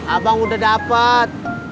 abang udah dapet